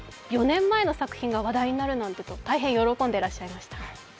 ４年前の作品が話題になるなんてと大変喜んでらっしゃいました。